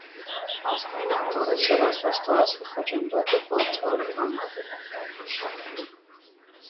Ազգային անտառից հեռացված տարածքը խոչընդոտ է պատվարի համար։